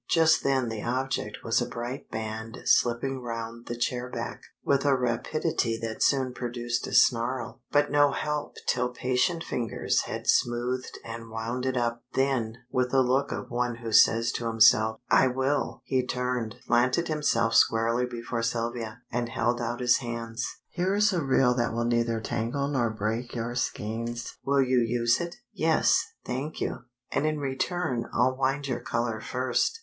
Just then the object was a bright band slipping round the chair back, with a rapidity that soon produced a snarl, but no help till patient fingers had smoothed and wound it up. Then, with the look of one who says to himself, "I will!" he turned, planted himself squarely before Sylvia, and held out his hands. "Here is a reel that will neither tangle nor break your skeins, will you use it?" "Yes, thank you, and in return I'll wind your color first."